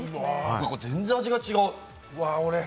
全然味が違う。